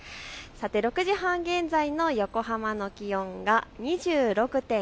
６時半現在の横浜の気温が２６．８度。